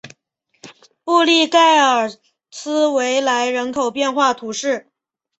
布利盖尔斯维莱人口变化图示